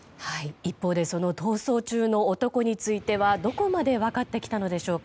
一方でその逃走中の男についてはどこまで分かってきたのでしょうか。